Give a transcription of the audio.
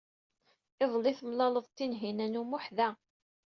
Iḍelli, temlaleḍ-d Tinhinan u Muḥ da.